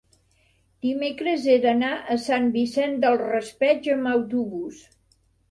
Dimecres he d'anar a Sant Vicent del Raspeig amb autobús.